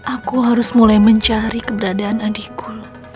aku harus mulai mencari keberadaan adikku